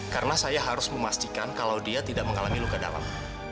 karena saya harus memastikan kalau dia tidak mengalami luka dalam